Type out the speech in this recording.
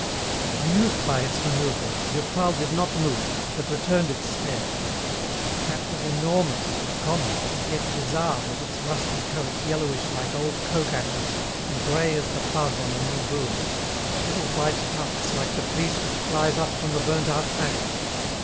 Amused by its manoeuvres, Durtal did not move, but returned its stare. The cat was enormous, common, and yet bizarre with its rusty coat yellowish like old coke ashes and grey as the fuzz on a new broom, with little white tufts like the fleece which flies up from the burnt out faggot.